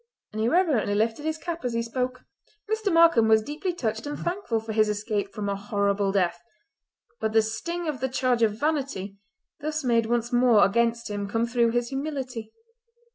and he reverently lifted his cap as he spoke. Mr. Markam was deeply touched and thankful for his escape from a horrible death; but the sting of the charge of vanity thus made once more against him came through his humility.